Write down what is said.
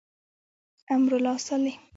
امرالله صالح.